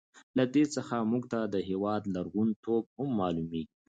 له دې څخه موږ ته د هېواد لرغون توب هم معلوميږي.